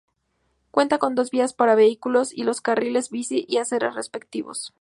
Cuenta con dos vías para vehículos, y los carriles bici y aceras respectivos.